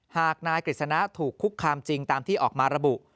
หากนายกฤษณะถูกคุกคามจริงตามที่ออกมาระบุ